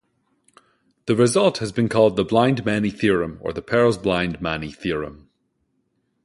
This result has been called the Blind–Mani theorem or the Perles–Blind–Mani theorem.